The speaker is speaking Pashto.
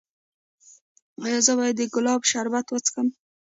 ایا زه باید د ګلاب شربت وڅښم؟